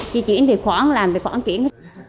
chị chuyển tiền khoản làm tiền khoản chuyển